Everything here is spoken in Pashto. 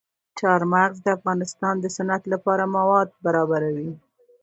چار مغز د افغانستان د صنعت لپاره مواد برابروي.